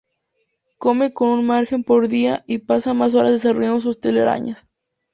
Come con un margen por día y pasa más horas desarrollando sus telarañas.